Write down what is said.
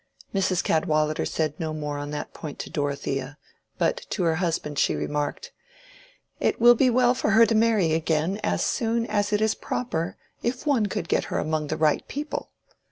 Mrs. Cadwallader said no more on that point to Dorothea, but to her husband she remarked, "It will be well for her to marry again as soon as it is proper, if one could get her among the right people.